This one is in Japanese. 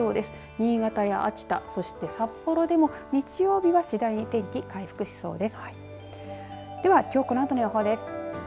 新潟や秋田そして札幌でも日曜日は次第に天気、回復しそうです。